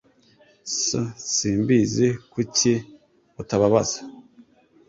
S Simbizi. Kuki utabaza ?